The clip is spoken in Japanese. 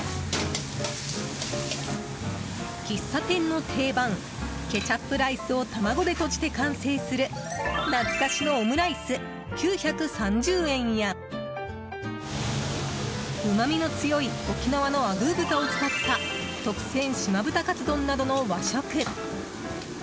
喫茶店の定番ケチャップライスを卵でとじて完成する懐かしのオムライス、９３０円やうまみの強い沖縄のアグー豚を使った特撰島豚かつ丼などの和食。